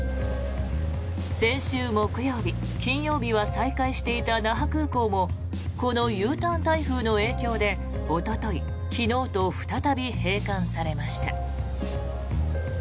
先週木曜日、金曜日は再開していた那覇空港もこのＵターン台風の影響でおととい、昨日と再び閉館されました。